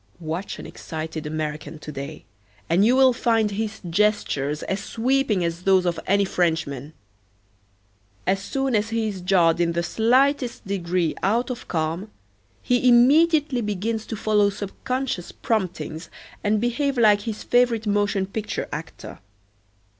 Watch an excited American to day and you will find his gestures as sweeping as those of any Frenchman. As soon as he is jarred in the slightest degree out of calm he immediately begins to follow subconscious promptings and behave like his favorite motion picture actor.